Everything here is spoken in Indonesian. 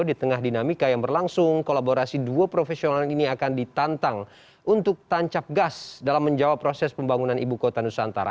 di tengah dinamika yang berlangsung kolaborasi dua profesional ini akan ditantang untuk tancap gas dalam menjawab proses pembangunan ibu kota nusantara